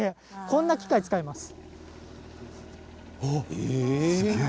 こんな機械を使います。